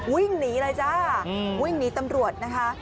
วิ่งหนีเลยจ้าวิ่งหนีตำรวจนะคะ